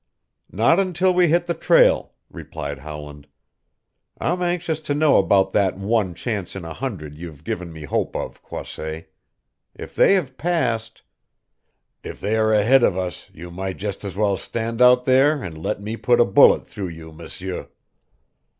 "Not until we hit the trail," replied Howland. "I'm anxious to know about that one chance in a hundred you've given me hope of, Croisset. If they have passed " "If they are ahead of us you might just as well stand out there and let me put a bullet through you, M'seur."